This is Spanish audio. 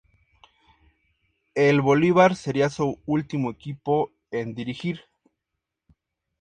El Bolívar sería su último equipo en dirigir.